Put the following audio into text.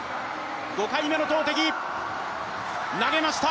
５回目の投てき、投げました。